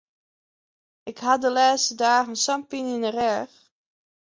Ik ha de lêste dagen sa'n pine yn de rêch.